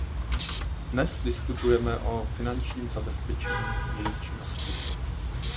Dnes diskutujeme o finančním zabezpečení její činnosti.